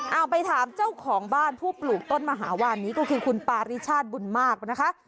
เอาไปถามเจ้าของบ้านผู้ปลูกต้นมหาวานนี้ก็คือคุณปาริชาติบุญมากนะคะ